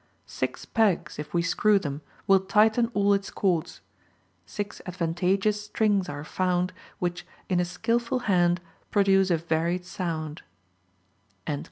Six pegs, if we screw them, will tighten all its chords; six advantageous strings are found, which, in a skilful hand, produce a varied sound."